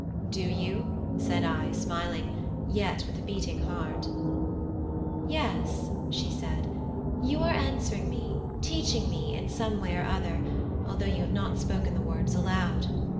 "Do you?" said I, smiling, yet with a beating heart. "Yes," she said; "you are answering me, teaching me, in some way or another, although you have not spoken the words aloud.